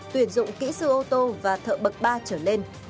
tuyển dụng kỹ sư ô tô và thợ bậc ba trở lên